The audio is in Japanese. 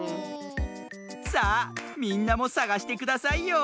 さあみんなもさがしてくださいよ。